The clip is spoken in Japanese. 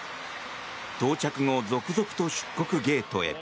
到着後、続々と出国ゲートへ。